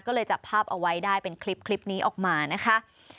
ก็เลยจับภาพเอาไว้ได้เป็นคลิปนี้ออกมานะคะ